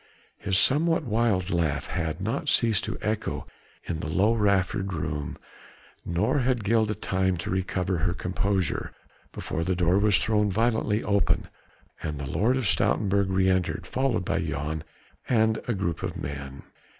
His somewhat wild laugh had not ceased to echo in the low raftered room nor had Gilda time to recover her composure, before the door was thrown violently open and the Lord of Stoutenburg re entered, followed by Jan and a group of men.